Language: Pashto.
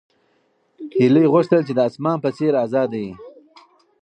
هیلې غوښتل چې د اسمان په څېر ازاده وي.